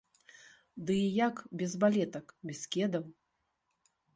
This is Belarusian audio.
Ды і як без балетак, без кедаў?